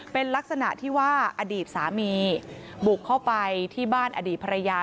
เป็นลักษณะที่ว่าอดีตสามีบุกเข้าไปที่บ้านอดีตภรรยา